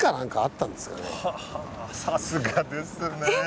さすがですねぇ。